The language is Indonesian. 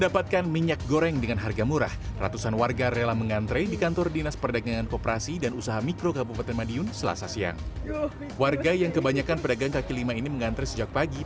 pada operasi pasar kali ini